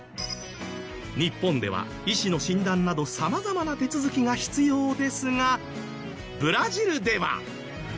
日本では医師の診断など様々な手続きが必要ですがブラジルでは。